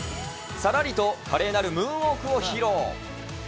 さらりと華麗なるムーンウォークを披露。